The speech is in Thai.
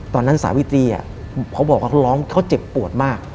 สาวิตรีเขาบอกว่าเขาร้องเขาเจ็บปวดมาก